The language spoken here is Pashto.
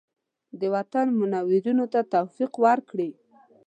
د وطن منورینو ته توفیق ورکړي.